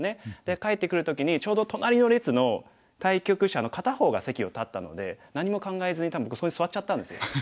帰ってくる時にちょうど隣の列の対局者の片方が席を立ったので何も考えずに多分そこに座っちゃったんですよ。